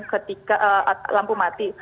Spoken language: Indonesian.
ketika lampu mati